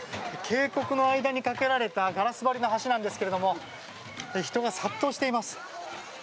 渓谷の間に架けられたガラス張りの橋なんですが人が殺到しています。